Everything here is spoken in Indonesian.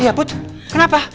iya put kenapa